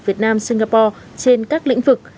việt nam singapore trên các lĩnh vực